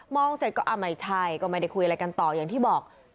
มองเสร็จก็ออกมาอีกช่ายก็ไม่ได้คุยอะไรกันต่ออย่างที่บอก